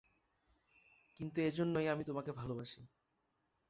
কিন্তু এজন্যই আমি তোমাকে ভালবাসি।